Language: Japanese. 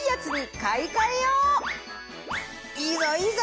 いいぞいいぞ！